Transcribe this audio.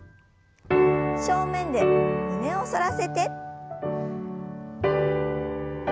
正面で胸を反らせて。